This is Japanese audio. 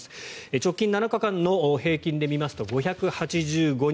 直近７日間の平均で見ると５８６人。